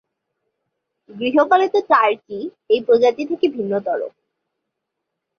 গৃহপালিত টার্কি এই প্রজাতি থেকে ভিন্নতর।